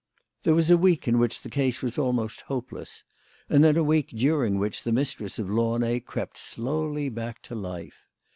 There was a week in which the case was almost hope less ; and then a week during which the mistress of Launay crept slowly back to life.